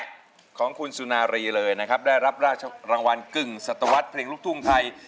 ของคุณสุนารีเลยนะครับได้รับราชรางวัลกึ่งศัตวรรษเพลงลูกทุ่งไทย